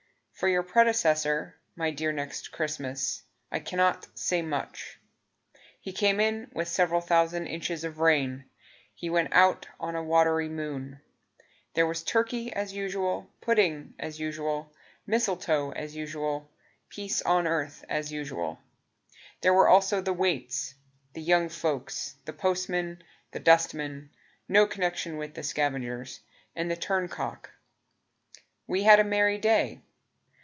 For your predecessor, My dear Next Christmas, I cannot say much. He came in with several thousand inches of rain; He went out on a watery moon. There was turkey as usual, Pudding as usual, Mistletoe as usual, Peace on earth as usual. There were also the waits, The young folks, The postman, The dustman (No connection with the scavengers), And the turncock. We had a merry day.